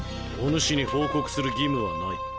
お主に報告する義務はない。